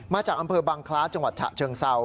มาจากอำเภอบังคล้าจังหวัดฉะเชิงเศร้า